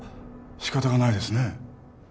仕方がないですね